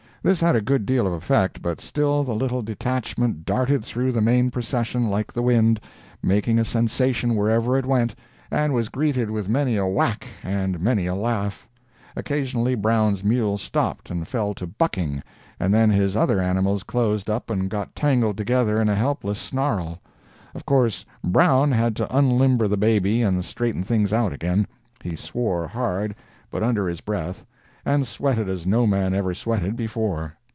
This had a good deal of effect, but still the little detachment darted through the main procession like the wind, making a sensation wherever it went, and was greeted with many a whack and many a laugh. Occasionally Brown's mule stopped and fell to bucking, and then his other animals closed up and got tangled together in a helpless snarl. Of course, Brown had to unlimber the baby and straighten things out again. He swore hard, but under his breath, and sweated as no man ever sweated before.